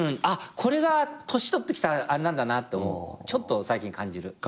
あっこれが年取ってきたあれなんだなってちょっと最近感じる。